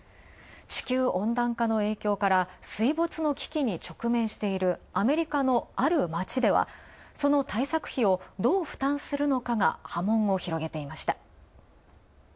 地球温暖化の影響から水没の危機に直面している、ある町では、その対策費をどう負担するのかが波紋を広げていました。